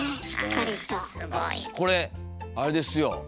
これあれですよ。